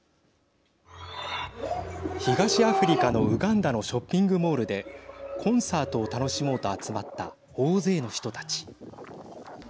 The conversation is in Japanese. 東アフリカのウガンダのショッピングモールでコンサートを楽しもうと集まった大勢の人たち。